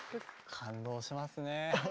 感動しますね。